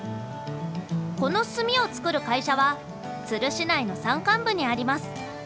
この炭を作る会社は都留市内の山間部にあります。